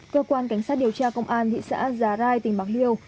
cơ quan cảnh sát điều tra công an thị xã già rai tỉnh bạc liêu